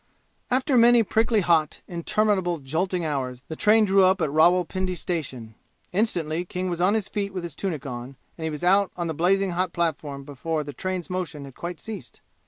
After many prickly hot, interminable, jolting hours the train drew up at Rawal Pindi station. Instantly King was on his feet with his tunic on, and he was out on the blazing hot platform before the train's motion had quite ceased.